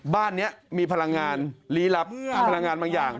บ้านนี้มีพลังงานลี้ลับพลังงานบางอย่าง